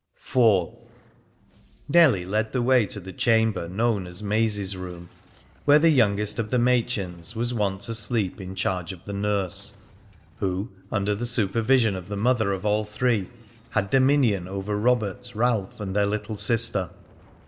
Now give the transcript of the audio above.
IV. Nellie led the way to the chamber known as "Maisie's room," where the youngest of the Machins was wont to sleep in charge of the nurse, who, under the supervision of the mother of all three, had dominion over Robert, Ralph, and their little sister.